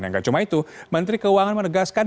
yang gak cuma itu menteri keuangan menegaskan